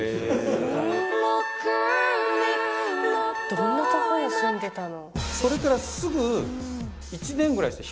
どんなとこに住んでたの？